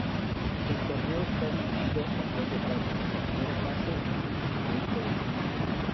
El torneo esta dividido en dos etapas, la primera fase y el final four.